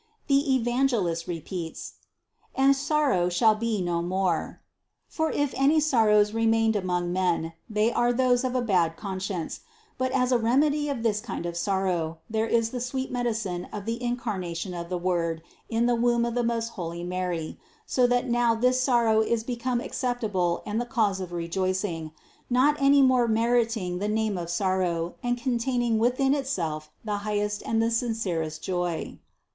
The Evangelist repeats: "and sorrow shall be no more," for if any sorrows remained among men, they are those of a bad conscience; but as a remedy of this kind of sorrow, there is the sweet medicine of the in carnation of the Word in the womb of the most holy Mary, so that now this sorrow is become acceptable and the cause of rejoicing, not any more meriting the name of sorrow and containing within itself the high est and the sincerest joy.